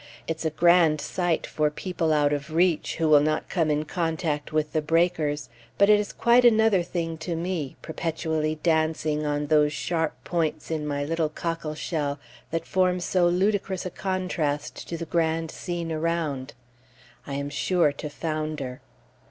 It's a grand sight for people out of reach, who will not come in contact with the breakers, but it is quite another thing to me, perpetually dancing on those sharp points in my little cockleshell that forms so ludicrous a contrast to the grand scene around. I am sure to founder!